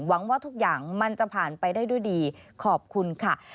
หวังว่าทุกอย่างมันจะผ่านไปได้ด้วยดีขอบคุณค่ะ